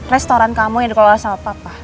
restoran kamu yang dikelola sama papa